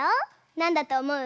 なんだとおもう？